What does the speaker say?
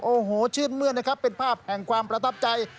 โอ้โหชื่นมืดนะครับเป็นภาพแห่งความประทับใจ